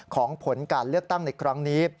ผลการเลือกตั้งในครั้งนี้